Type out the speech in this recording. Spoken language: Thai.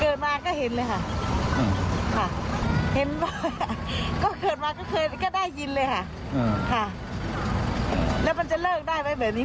เกิดมาก็เห็นเลยค่ะเห็นว่าก็เกิดมาก็เคยก็ได้ยินเลยค่ะค่ะแล้วมันจะเลิกได้ไหมแบบนี้